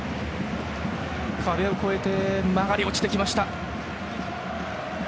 壁を越えて曲がり落ちてきました。